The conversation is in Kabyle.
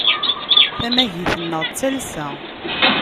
Tamagit-nneɣ d talsa.